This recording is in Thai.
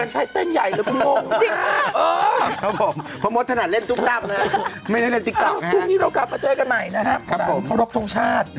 ชอบเถอะ